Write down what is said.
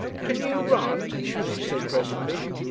"Can you run?" she said presently.